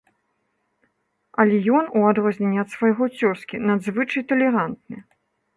Але ён, у адрозненні ад свайго цёзкі, надзвычай талерантны.